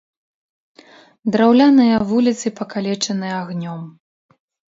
Драўляныя вуліцы пакалечаны агнём.